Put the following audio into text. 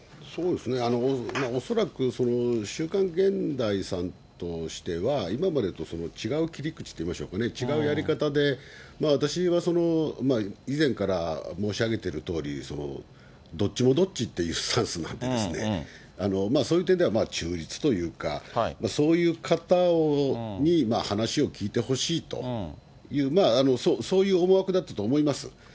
恐らく週刊現代さんとしては、今までと違う切り口といいましょうかね、違うやり方で、私は以前から申し上げてるとおり、どっちもどっちっていうスタンスなんでですね、そういう点では中立というか、そういう方に話を聞いてほしいという、そういう思惑だったと思います。